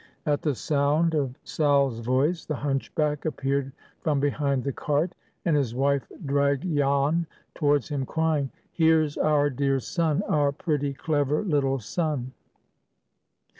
At the sound of Sal's voice the hunchback appeared from behind the cart, and his wife dragged Jan towards him, crying, "Here's our dear son! our pretty, clever little son."